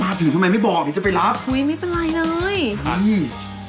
ถึงทำไมไม่บอกเดี๋ยวจะไปรับอุ้ยไม่เป็นไรเลยนี่